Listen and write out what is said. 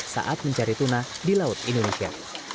saat mencari tuna di laut indonesia